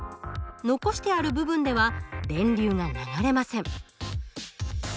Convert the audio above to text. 残してある部分では電流が流れません。